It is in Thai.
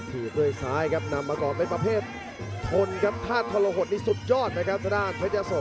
ถีบด้วยซ้ายครับนำมาก่อนเป็นประเภททนครับถ้าทรหดนี่สุดยอดนะครับทางด้านเพชรยะโส